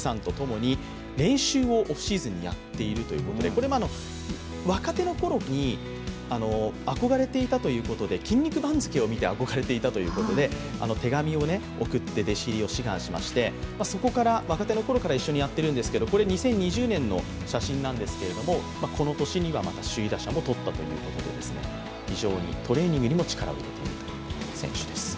これも若手のころに憧れていたということで、「筋肉番付」を見て憧れていたということで、手紙を送って弟子入りを志願しましてそこから若手のころから一緒にやっているんですけど、これは２０２０年の写真なんですけど、この年にはまた首位打者もとったということで非常にトレーニングも力を入れている選手です。